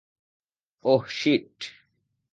ওহ, sheet.